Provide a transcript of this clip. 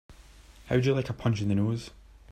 How would you like a punch in the nose?